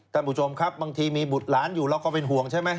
ท่านผู้ชมครับบางทีมีบุตรหลานอยู่เราก็เป็นห่วงใช่ไหม